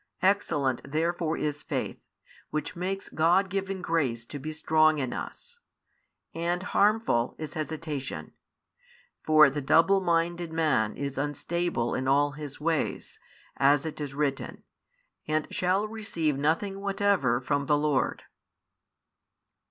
Excellent therefore is faith, which makes God given grace to be |21 strong in us; and harmful is hesitation. For the double minded man is unstable in all his ways, as it is written, and shall receive nothing whatever from the Lord.